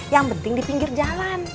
yang penting di pinggir jalan